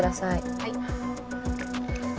はい。